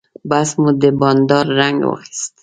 بحث مو د بانډار رنګ واخیست.